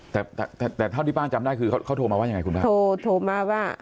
แต่แต่แต่เท่าที่ป้าจำได้คือเขาเขาโทรมาว่ายังไงคุณป้าโทรมาว่า